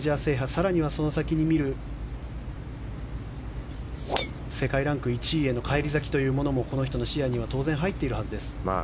更には、その先に見る世界ランク１位への返り咲きというのもこの人の視野には当然入っているはずです。